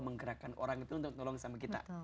menggerakkan orang itu untuk tolong sama kita